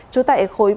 trú tại khối bốn a